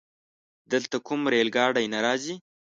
دلته کومه رايل ګاډی نه راځي؟